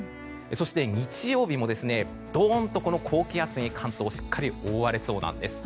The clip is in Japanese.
そして、日曜日もドーンとこの高気圧に関東すっかり覆われそうです。